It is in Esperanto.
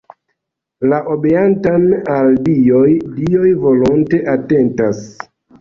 La obeantan al dioj dioj volonte atentas.